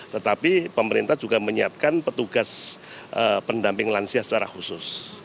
tetapi pemerintah juga menyiapkan petugas pendamping lansia secara khusus